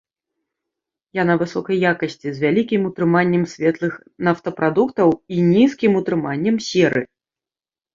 Яна высокай якасці, з вялікім утрыманнем светлых нафтапрадуктаў і нізкім утрыманнем серы.